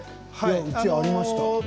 うち、ありました。